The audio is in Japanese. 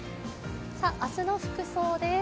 明日の服装です。